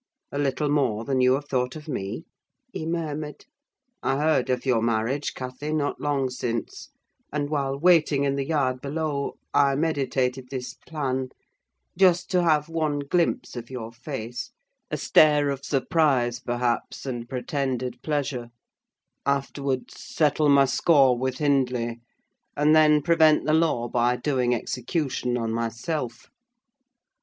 "A little more than you have thought of me," he murmured. "I heard of your marriage, Cathy, not long since; and, while waiting in the yard below, I meditated this plan—just to have one glimpse of your face, a stare of surprise, perhaps, and pretended pleasure; afterwards settle my score with Hindley; and then prevent the law by doing execution on myself.